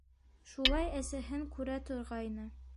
Шулай әсәһен күрә торғайны.